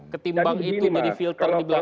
ketimbang itu jadi filter di belakang